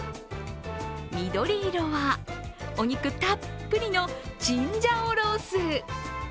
緑色はお肉たっぷりのチンジャオロース。